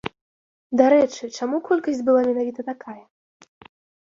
Дарэчы, чаму колькасць была менавіта такая?